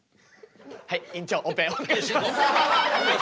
はい院長オペお願いします。